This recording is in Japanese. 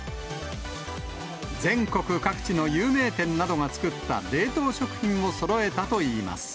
全国各地の有名店などが作った冷凍食品をそろえたといいます。